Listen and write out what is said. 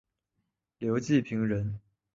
刘季平人。